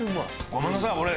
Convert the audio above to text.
ごめんなさいこれ。